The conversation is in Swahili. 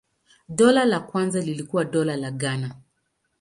Dola la kwanza lilikuwa Dola la Ghana.